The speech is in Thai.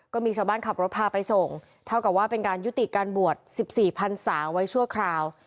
ก็มีชาวบ้านขับรถพาไปส่งเท่ากับว่าเป็นการยุติการบวช๑๔พันศาไว้ชั่วคราว